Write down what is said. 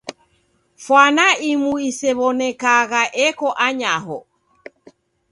Fwana imu isew'onekagha eko anyaho.